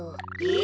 え。